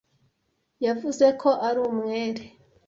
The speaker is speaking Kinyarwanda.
yavuze ko ari umwere.